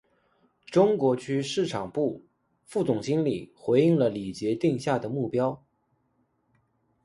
中国区市场部副总经理回应了李杰定下的目标